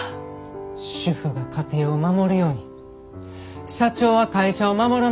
「主婦が家庭を守るように社長は会社を守らなあきません」。